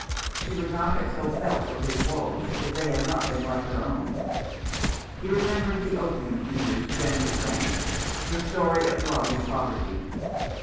She would not have so felt for his woes if they had not been like her own. He remembered the opium eater's gentle friend — that story of love in poverty.